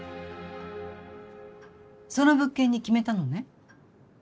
その物件に決めたのね。